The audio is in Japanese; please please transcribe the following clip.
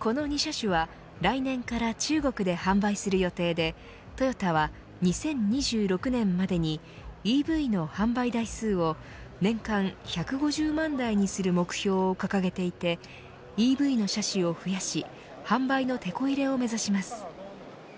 この２車種は来年から中国で販売する予定でトヨタは２０２６年までにＥＶの販売台数を年間１５０万台にする目標を掲げていてＥＶの車種を増やし販売のてこ入れを目指します。